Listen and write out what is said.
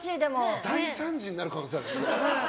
大惨事になる可能性あるよ